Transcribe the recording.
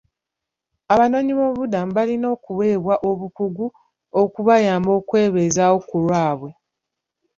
Abanoonyi boobubudamu balina okuweebwa obukugu okubayamba okwebeezaawo ku lwaabwe.